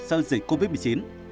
sau dịch covid một mươi chín